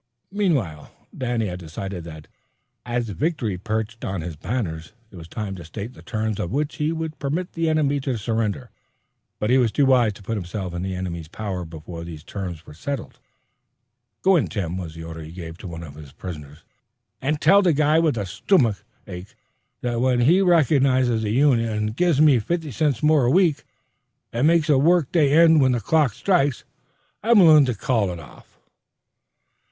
Meanwhile Danny had decided that, as victory perched on his banners, it was time to state the terms on which he would permit the enemy to surrender, but he was too wise to put himself in the enemy's power before these terms were settled. "Go in, Tim," was the order he gave to one of his prisoners, "an' tell the guy with the stomick ache that when he recognizes the union an' gives me fifty cents more a week an' makes a work day end when the clock strikes, I'm willin' to call it off."